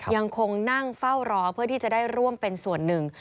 ยังคงนั่งเฝ้ารอเพื่อที่จะได้ร่วมเป็นส่วนหนึ่ง